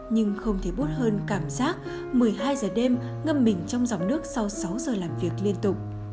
nhưng không thể bút hơn cảm giác một mươi hai giờ đêm ngâm mình trong dòng nước sau sáu giờ làm việc liên tục